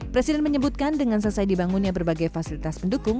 presiden menyebutkan dengan selesai dibangunnya berbagai fasilitas pendukung